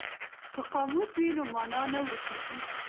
که قاموس وي نو مانا نه ورکیږي.